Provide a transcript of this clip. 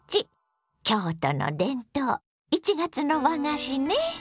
京都の伝統１月の和菓子ね。